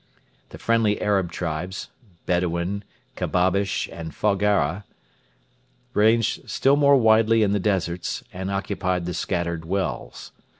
The friendly Arab tribes Bedouin, Kabbabish, and Foggara ranged still more widely in the deserts and occupied the scattered wells.